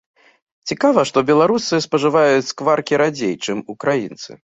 Цікава, што беларусы спажываюць скваркі радзей, чым украінцы.